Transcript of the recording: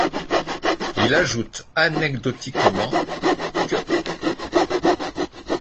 Il ajoute anecdotiquement qu'.